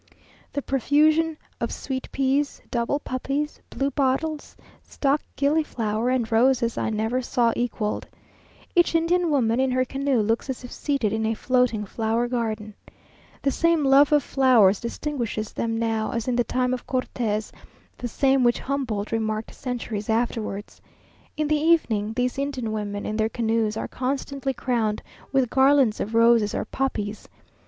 The profusion of sweet peas, double poppies, bluebottles, stock gillyflower, and roses, I never saw equalled. Each Indian woman in her canoe looks as if seated in a floating flower garden. The same love of flowers distinguishes them now as in the time of Cortes; the same which Humboldt remarked centuries afterwards. In the evening these Indian women, in their canoes, are constantly crowned with garlands of roses or poppies.